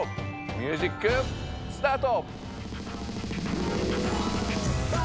ミュージックスタート！